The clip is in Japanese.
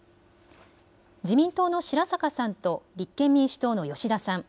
自民党の白坂さんと立憲民主党の吉田さん。